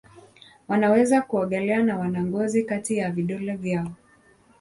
Wanaweza kuogelea na wana ngozi kati ya vidole vyao.